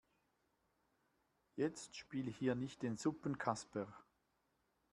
Jetzt spiel hier nicht den Suppenkasper.